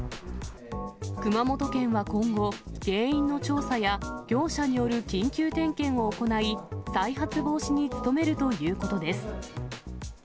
熊本県は今後、原因の調査や業者による緊急点検を行い、再発防止に努めるということです。